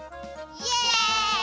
イエイ！